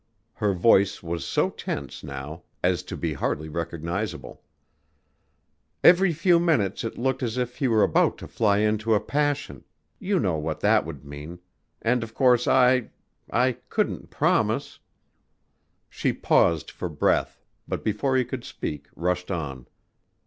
Her voice was so tense now as to be hardly recognizable. "Every few minutes it looked as if he were about to fly into a passion.... You know what that would mean ... and of course I I couldn't promise." She paused for breath, but before he could speak, rushed on.